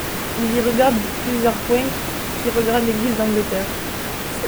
Il y regarde plusieurs point qui regardent l'église d'Angleterre.